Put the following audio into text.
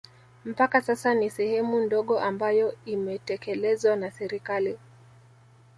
Mpaka sasa ni sehemu ndogo ambayo imetekelezwa na serikali